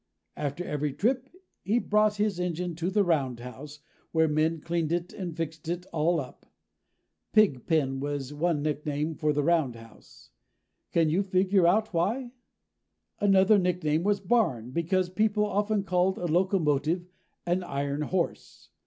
After every trip, he brought his engine to the roundhouse, where men cleaned it and fixed it all up. Pig pen was one nickname for the roundhouse. Can you figure out why? Another nickname was barn, because people often called a locomotive an Iron Horse.